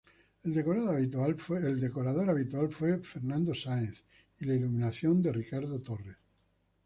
El decorador habitual fue Fernando Sáenz y la iluminación de Ricardo Torres.